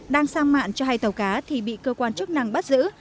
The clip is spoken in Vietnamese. đang sang mạng cho hai tàu cá thì bị cơ quan chức năng bắt giữ